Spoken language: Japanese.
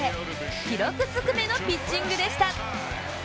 記録ずくめのピッチングでした。